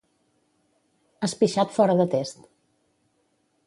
Has pixat fora de test.